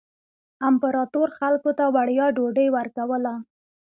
امپراتور خلکو ته وړیا ډوډۍ ورکوله.